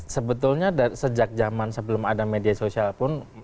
sebetulnya sejak zaman sebelum ada media sosial pun